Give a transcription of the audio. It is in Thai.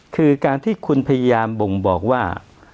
คือการที่คุณพยายามบ่งบอกว่า